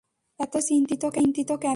এত চিন্তিত কেন?